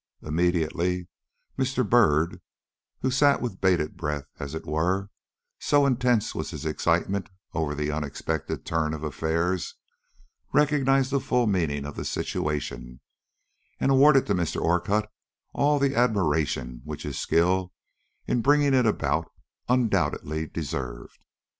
Immediately Mr. Byrd, who sat with bated breath, as it were, so intense was his excitement over the unexpected turn of affairs, recognized the full meaning of the situation, and awarded to Mr. Orcutt all the admiration which his skill in bringing it about undoubtedly deserved.